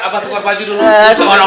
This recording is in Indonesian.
abang buka baju dulu